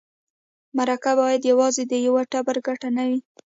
مرکه باید یوازې د یوټوبر ګټه نه وي.